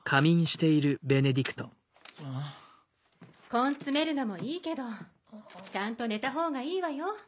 根詰めるのもいいけどちゃんと寝たほうがいいわよ。